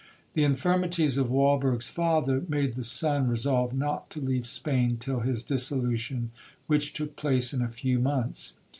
The infirmities of Walberg's father made the son resolve not to leave Spain till his dissolution, which took place in a few months.